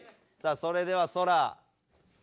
さあそれではソラ。